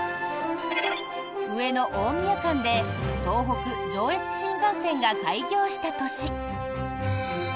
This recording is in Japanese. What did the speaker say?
上野大宮間で東北・上越新幹線が開業した年。